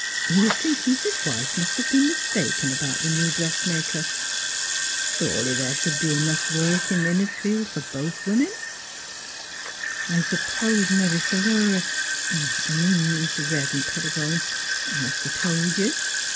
He was thinking his wife must have been mistaken about the new dress maker. Surely there should be work enough in Innisfield for both women. " I suppose mebbe Philura I mean Mis' Rev' ren' Pettibone must 'a' told you?"